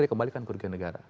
dia kembalikan kerugian negara